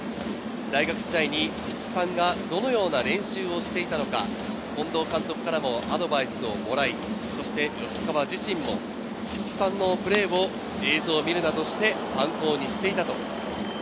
大学時代に菊池さんがどのような練習をしていたのか、こんどう監督からもアドバイスをもらい、そして吉川自身も菊池さんのプレーを映像を見るなどして参考にしていたと。